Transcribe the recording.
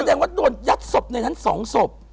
แสดงว่าโดนยัดศพในทั้งสองศพ